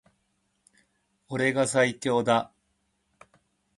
俺が最強だ